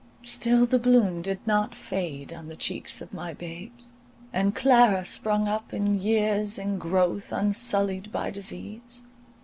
Still the bloom did not fade on the cheeks of my babes; and Clara sprung up in years and growth, unsullied by disease.